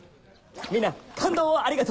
みんな感動をありがとう！